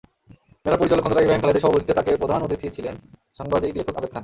মেলার পরিচালক খোন্দকার ইব্রাহিম খালেদের সভাপতিত্বে তাতে প্রধান অতিথি ছিলেন সাংবাদিক-লেখক আবেদ খান।